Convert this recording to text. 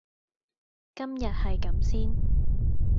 今日係咁先